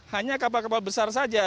hanya kapal kapal besar saja